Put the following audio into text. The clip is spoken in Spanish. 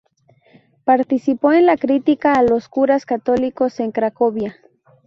Participó en la crítica a los curas católicos en Cracovia.